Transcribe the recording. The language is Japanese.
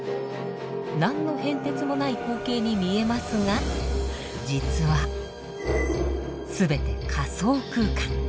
何の変哲もない光景に見えますが実は全て仮想空間。